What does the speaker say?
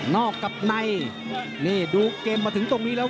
อกกับในนี่ดูเกมมาถึงตรงนี้แล้ว